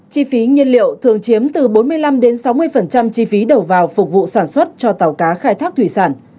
chi phí nhiên liệu thường chiếm từ bốn mươi năm sáu mươi chi phí đầu vào phục vụ sản xuất cho tàu cá khai thác thủy sản